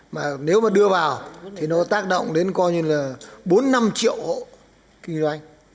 mà nếu mà đưa vào thì nó tác động đến coi như là bốn năm triệu hộ kinh doanh